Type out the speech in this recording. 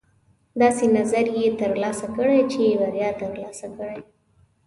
داسې نظریې ترلاسه کړئ چې بریا ترلاسه کړئ.